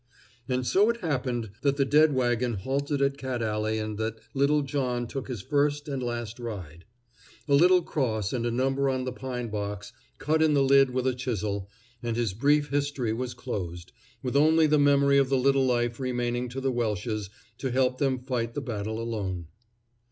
And so it happened that the dead wagon halted at Cat Alley and that little John took his first and last ride. A little cross and a number on the pine box, cut in the lid with a chisel, and his brief history was closed, with only the memory of the little life remaining to the Welshes to help them fight the battle alone.